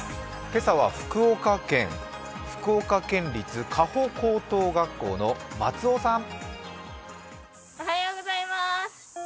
今朝は福岡県立嘉穂高等学校の松尾さん！